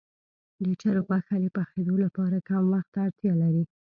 د چرګ غوښه د پخېدو لپاره کم وخت ته اړتیا لري.